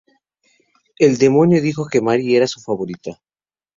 El demonio dijo que Mary era su favorita.